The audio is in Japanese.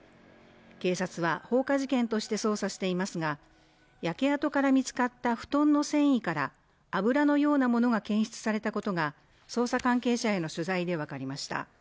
警察は放火事件として捜査していますが焼け跡から見つかった布団の繊維から油のようなものが検出されたことが捜査関係者への取材で分かりました